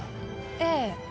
ええ。